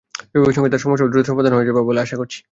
বিভাগের সঙ্গে তাঁর সমস্যাও দ্রুত সমাধান হয়ে যাবে বলে আশা করছি।